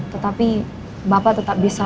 tetapi bapak tetap bisa